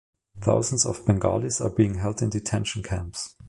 Thousands of Bengalis are being held in Detention Camps.